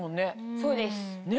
そうです。